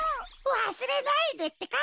わすれないでってか。